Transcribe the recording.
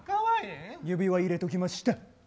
指輪入れときました！